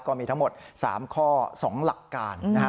ก็มีทั้งหมด๓ข้อ๒หลักการ